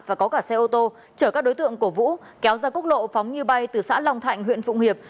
và có cả xe ô tô chở các đối tượng cổ vũ kéo ra quốc lộ phóng như bay từ xã long thạnh huyện phụng hiệp